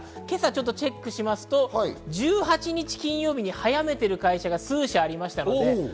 今朝チェックしますと、１８日金曜日に早めている会社が数社ありました。